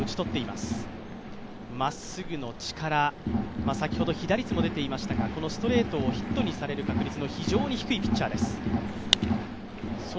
まっすぐの力先ほど被打率も出ていましたが、このストレートをヒットにされる確率の非常に低いピッチャーです。